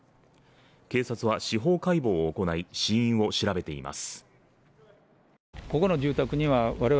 警察は司法解剖を行い死因を調べています